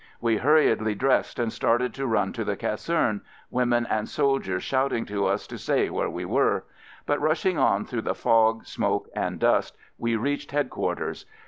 We hurriedly dressed and started to run to the caserne — women and soldiers shouting to us to stay where we were; but rushing on through the fog, smoke, and dust, we reached headquarters.